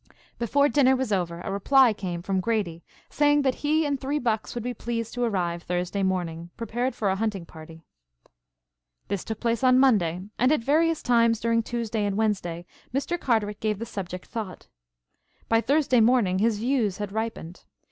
Before dinner was over a reply came from Grady saying that he and three bucks would be pleased to arrive Thursday morning prepared for a hunting party. This took place on Monday, and at various times during Tuesday and Wednesday, Mr. Carteret gave the subject thought. By Thursday morning his views had ripened.